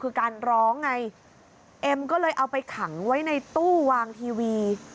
คือการร้องไงเอ็มก็เลยเอาไปขังไว้ในตู้วางทีวี